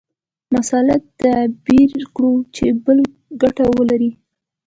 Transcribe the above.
مسأله تعبیر کړو چې بل ګټه ولري.